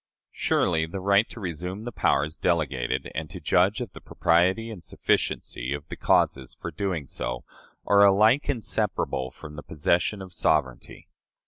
Surely the right to resume the powers delegated and to judge of the propriety and sufficiency of the causes for doing so are alike inseparable from the possession of sovereignty.